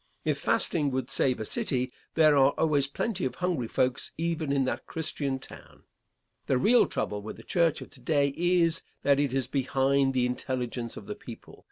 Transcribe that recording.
If fasting would save a city, there are always plenty of hungry folks even in that Christian town. The real trouble with the church of to day is, that it is behind the intelligence of the people.